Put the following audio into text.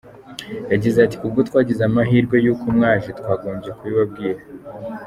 Yagize ati “Ubwo twagize amahirwe y’ uko mwaje twagombye kubibabwira.